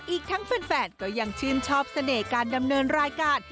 อีกทั้งแฟนก็ยังชื่นชอบเสน่ห์การดำเนินรายการ